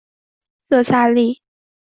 色萨利。